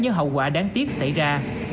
những hậu quả đáng tiếc xảy ra